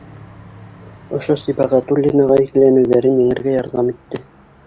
Ошо Сибәғәтуллинаға икеләнеүҙәрен еңергә ярҙам итте